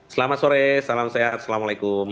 selamat sore salam sehat assalamualaikum